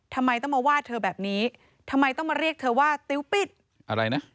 ทำไมต้องมาว่าเธอแบบนี้ทำไมต้องมาเรียกเธอว่าติ๊วปิดอะไรนะ